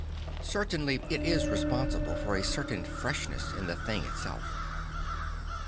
Certainly it is responsible for a certain freshness in the thing itself.